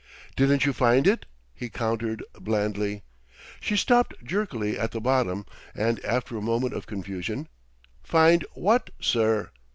"Didn't you find it?" he countered blandly. She stopped jerkily at the bottom, and, after a moment of confusion. "Find what, sir?"